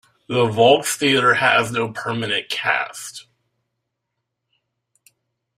The Volxtheater has no permanent cast.